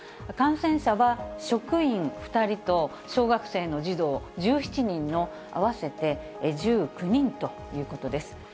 感染者は職員２人と小学生の児童１７人の合わせて１９人ということです。